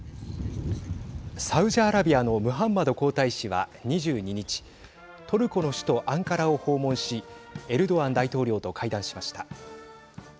サウジアラビアのムハンマド皇太子は２２日トルコの首都アンカラを訪問しエルドアン大統領と会談しました。